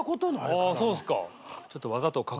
ああそうっすか。